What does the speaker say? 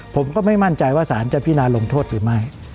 ผมก็ไม่มั่นใจว่าสารจะพินาลงโทษหรือไม่